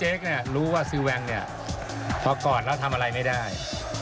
เหมือนเบื่อครับเอาหัวมาให้กอดเล่น